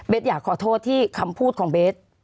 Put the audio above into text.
เบ๊ดอยากขอโทษที่คำพูดของเบ๊ด